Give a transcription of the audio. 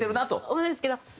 思うんですけど。